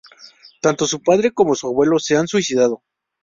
Tanto su padre como su abuelo se han suicidado.